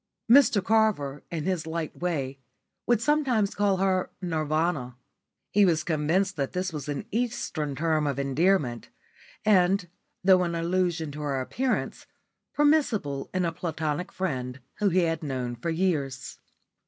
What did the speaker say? Mr Carver in his light way would sometimes call her "Nirvana"; he was convinced that this was an Eastern term of endearment, and, though an allusion to her appearance, permissible in a platonic friend who had known her for years.